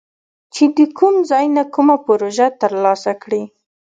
چې د کوم ځای نه کومه پروژه تر لاسه کړي